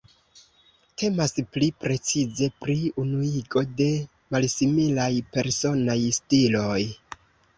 Temas pli precize pri unuigo de malsimilaj personaj stiloj.